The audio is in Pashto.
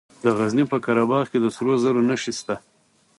د غزني په قره باغ کې د سرو زرو نښې شته.